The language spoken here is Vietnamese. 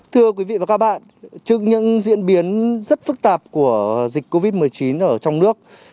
thưa quý vị và các bạn trước những diễn biến rất phức tạp của dịch covid một mươi chín ở trong nước